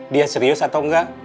dia serius atau enggak